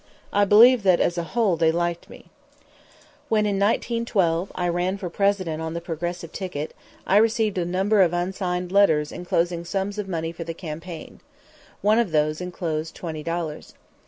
I believe that, as a whole, they liked me. When, in 1912, I ran for President on the Progressive ticket, I received a number of unsigned letters inclosing sums of money for the campaign. One of these inclosed twenty dollars.